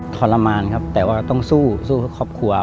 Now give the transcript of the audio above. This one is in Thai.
ทรมานครับแต่ว่าต้องสู้สู้เพื่อครอบครัว